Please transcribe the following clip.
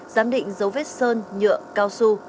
giám định dấu vết sơn nhựa cao su